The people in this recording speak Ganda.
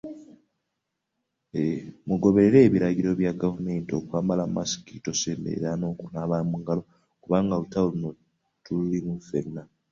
Mugoberere ebiragiro bya gavumenti okwambala mask, tonsemberera n'okunaaba mungalo kubanga olutalo luno tululimu fenna.